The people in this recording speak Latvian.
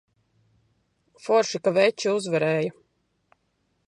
Forši, ka veči uzvarēja!